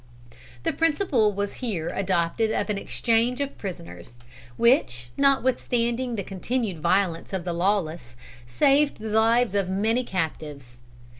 The principle was here adopted of an exchange of prisoners, which notwithstanding the continued violence of the lawless, saved the lives of many captives.